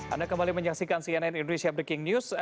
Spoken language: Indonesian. anda kembali menyaksikan cnn indonesia breaking news